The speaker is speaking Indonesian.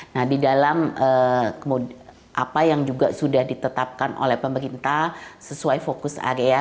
nah di dalam apa yang juga sudah ditetapkan oleh pemerintah sesuai fokus area